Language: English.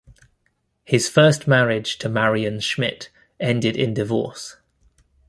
His first marriage to Marion Schmidt ended in divorce.